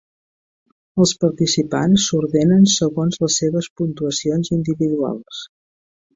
Els participants s'ordenen segons les seves puntuacions individuals.